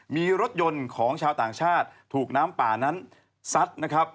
มีรถยนต์ของชาวต่างชาติถูกน้ำป่านั้นซัดนะครับ